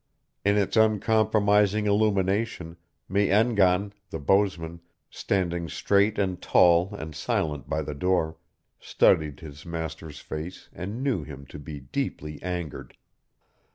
In its uncompromising illumination Me en gan, the bowsman, standing straight and tall and silent by the door, studied his master's face and knew him to be deeply angered.